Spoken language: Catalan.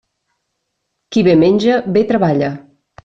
Qui bé menja, bé treballa.